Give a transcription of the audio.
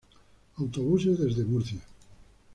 Autobuses desde Murcia.